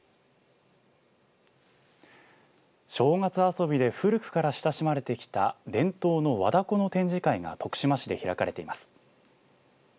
正月遊びで古くから親しまれてきた伝統の和だこの展示会が徳島市で開かれています。